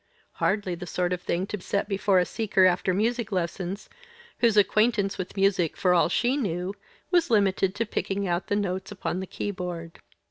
Hardly the sort of thing to set before a seeker after music lessons, whose acquaintance with music, for all she knew, was limited to picking out the notes upon the keyboard.